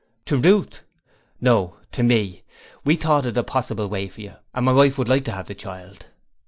'To Ruth?' 'No: to me. We thought it a possible way for you, and my wife would like to have the child.'